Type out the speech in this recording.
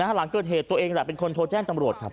หลังเกิดเหตุตัวเองแหละเป็นคนโทรแจ้งตำรวจครับ